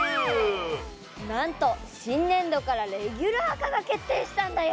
なんとしんねんどからレギュラー化が決定したんだよ！